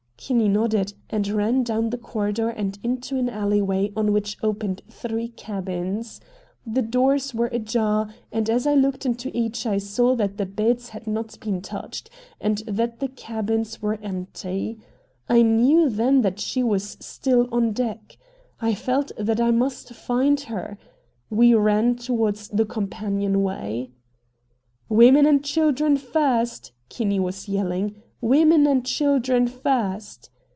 Kinney nodded, and ran down the corridor and into an alleyway on which opened three cabins. The doors were ajar, and as I looked into each I saw that the beds had not been touched, and that the cabins were empty. I knew then that she was still on deck. I felt that I must find her. We ran toward the companionway. "Women and children first!" Kinney was yelling. "Women and children first!"